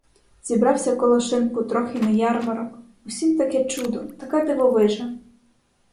Зібрався коло шинку трохи не ярмарок, усім таке чудо, така дивовижа!